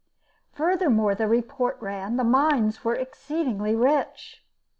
Furthermore, the report ran, the mines were exceedingly rich.